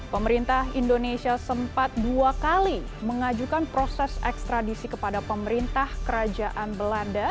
pemerintah indonesia sempat dua kali mengajukan proses ekstradisi kepada pemerintah kerajaan belanda